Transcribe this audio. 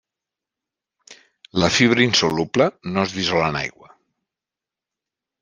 La fibra insoluble, no es dissol en aigua.